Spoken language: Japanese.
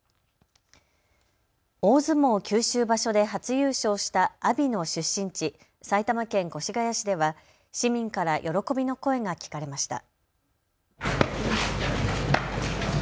大相撲九州場所で初優勝した阿炎の出身地、埼玉県越谷市では市民から喜びの声が聞かれました。